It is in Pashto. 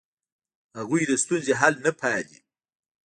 هغوی د ستونزې حل نه پاله.